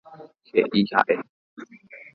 He'i ha'e.